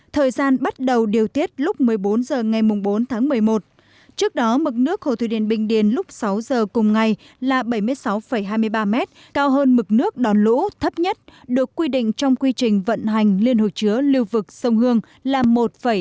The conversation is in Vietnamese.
thời gian bắt đầu điều tiết lúc một mươi bốn h ngày bốn tháng một mươi một trước đó mực nước hồ thủy điện bình điền lúc sáu giờ cùng ngày là bảy mươi sáu hai mươi ba m cao hơn mực nước đòn lũ thấp nhất được quy định trong quy trình vận hành liên hồ chứa lưu vực sông hương là một bảy mươi